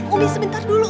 umi sebentar dulu